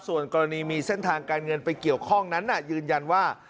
ส่วนกรณีมีเส้นทางการเงินไปเกี่ยวข้องนั้นยืนยันว่า